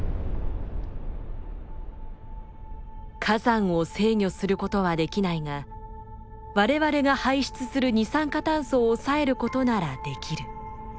火山を制御することはできないが我々が排出する二酸化炭素を抑えることならできる。